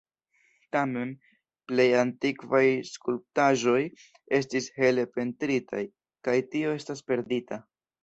Tamen, plej antikvaj skulptaĵoj estis hele pentritaj, kaj tio estis perdita.